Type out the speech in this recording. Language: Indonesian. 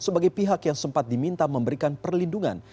lpsk juga mencari teman yang sempat diminta memberikan perlindungan